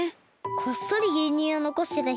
こっそりぎゅうにゅうをのこしてた姫。